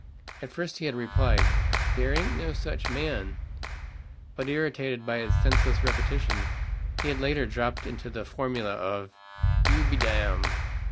At first he had replied, "Dere ain't no such man;" but irritated by its senseless repetition, he had latterly dropped into the formula of, "You be dam."